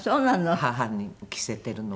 母に着せてるのは。